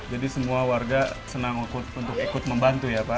jadi semua warga senang untuk ikut membantu ya pak